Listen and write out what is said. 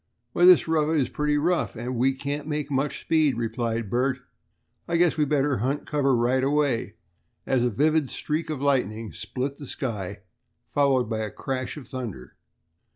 "Why, this road is pretty rough, and we can't make much speed," replied Bert. "I guess we'd better hunt cover right away," as a vivid streak of lightning split the sky, followed by a crash of thunder.